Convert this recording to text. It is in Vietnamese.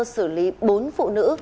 xử lý bốn phụ nữ